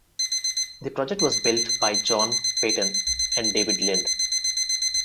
The project was built by John Paton and David Lind.